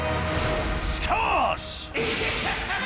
しかし！